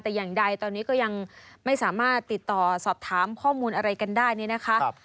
แต่อย่างใดตอนนี้ก็ยังไม่สามารถติดต่อสอบถามข้อมูลอะไรกันได้เนี่ยนะคะ